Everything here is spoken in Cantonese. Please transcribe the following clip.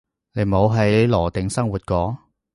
你冇喺羅定生活過